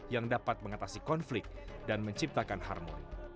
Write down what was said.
yang dapat mengatasi konflik dan menciptakan harmoni